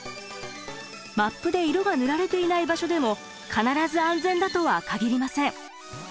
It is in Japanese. マップで色が塗られていない場所でも必ず安全だとは限りません。